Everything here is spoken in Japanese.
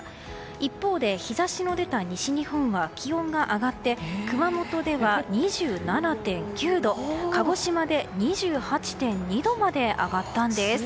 一方で日差しの出た西日本は気温が上がって熊本では２７．９度、鹿児島で２８．２度まで上がったんです。